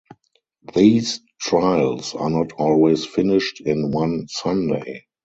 These trials are not always finished in one Sunday.